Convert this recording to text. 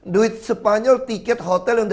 duit spanyol tiket hotel yang